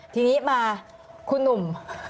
ทีนี้มาคุณหนุ่ม